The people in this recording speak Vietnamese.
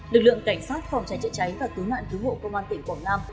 lực lượng cảnh sát phòng cháy chữa cháy và cứu nạn cứu hộ công an tỉnh quảng nam